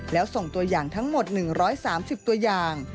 แล้วส่งตัวอย่างทั้งหมด๑๓๐ตัวอย่าง